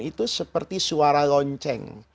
itu seperti suara lonceng